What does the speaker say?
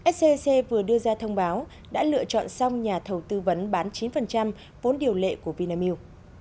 scc vừa đưa ra thông báo đã lựa chọn xong nhà thầu tư vấn bán chín vốn điều lệ của vinamilk